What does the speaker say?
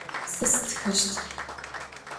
Сэ сытхэщт.